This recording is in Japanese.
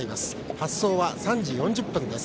発走は３時４０分です。